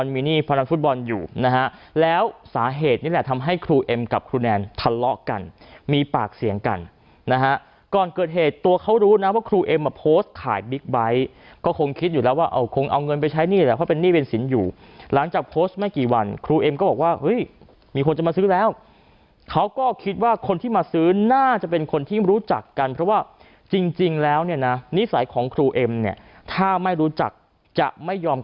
มีพนันฟุตบอลอยู่นะฮะแล้วสาเหตุนี้แหละทำให้ครูเอ็มกับครูแนนทะเลาะกันมีปากเสียงกันนะฮะก่อนเกิดเหตุตัวเขารู้นะว่าครูเอ็มมาโพสต์ขายบิ๊กบายด์ก็คงคิดอยู่แล้วว่าเอาคงเอาเงินไปใช้หนี้แหละเพราะเป็นหนี้เป็นสินอยู่หลังจากโพสต์ไม่กี่วันครูเอ็มก็บอกว่าเฮ้ยมีคนจะมาซื้อแล้วเขาก็คิดว่า